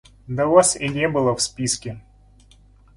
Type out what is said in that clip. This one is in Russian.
Да Вас и не было в списке.